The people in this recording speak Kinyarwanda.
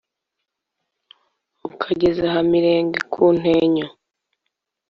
ukageza aha mirenge kuntenyo